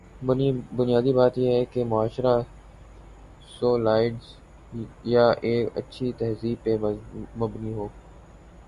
بنیادی بات یہ ہے کہ معاشرہ سولائزڈ یا ایک اچھی تہذیب پہ مبنی ہو۔